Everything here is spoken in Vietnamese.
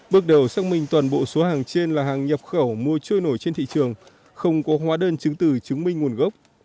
bước đầu xác minh toàn bộ số hàng trên là hàng nhập khẩu mua trôi nổi trên thị trường không có hóa đơn chứng từ chứng minh nguồn gốc